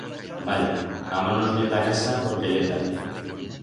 Vaya, amo-nos-ne ta casa porque ye tardi.